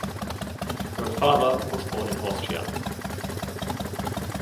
Her father was born in Austria.